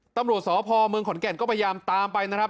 ตำรวจสพเมืองขอนแก่นก็พยายามตามไปนะครับ